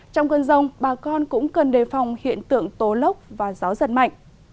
trong cơn rông bà con cũng cần đề phòng hiện tượng tố lốc và gió giật mạnh